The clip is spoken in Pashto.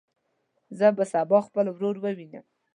زه به سبا خپل ورور ووینم.